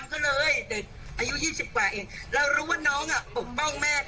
มันเหนือป้าทิ่งของแม่